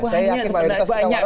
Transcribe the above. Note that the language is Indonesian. saya yakin banyak